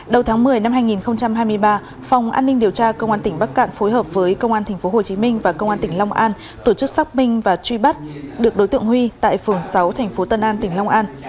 đầu tháng một mươi năm hai nghìn hai mươi ba phòng an ninh điều tra công an tỉnh bắc cạn phối hợp với công an tp hcm và công an tỉnh long an tổ chức xác minh và truy bắt được đối tượng huy tại phường sáu tp tân an tỉnh long an